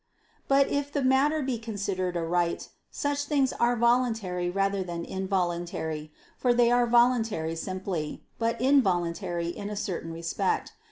But if the matter be considered aright, such things are voluntary rather than involuntary; for they are voluntary simply, but involuntary in a certain respect.